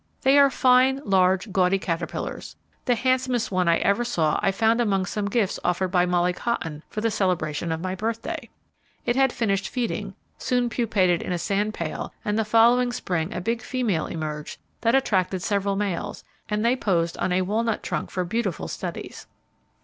They are fine, large, gaudy caterpillars. The handsomest one I ever saw I found among some gifts offered by Molly Cotton for the celebration of my birthday. It had finished feeding, soon pupated in a sand pail and the following spring a big female emerged that attracted several males and they posed on a walnut trunk for beautiful studies.